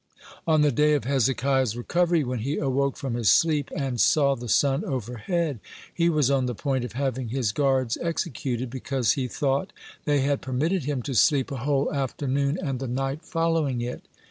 On the day of Hezekiah's recovery, when he awoke from his sleep, and saw the sun overhead, he was on the point of having his guards executed, because he thought they had permitted him to sleep a whole afternoon and the night following it.